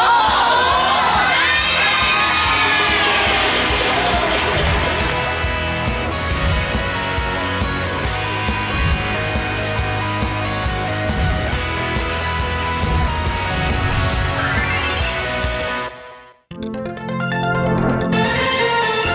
โอ้โหได้เลย